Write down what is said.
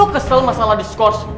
lo kesel masalah diskors